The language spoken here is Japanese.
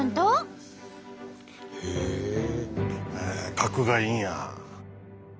角がいいんや。